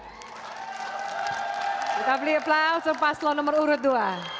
kita beli aplaus untuk paslo nomor urut dua